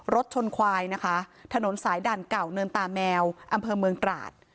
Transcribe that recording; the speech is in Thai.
รถชนควายนะคะถนนสายด่านเก่าเนินตาแมวอำเภอเมืองตราด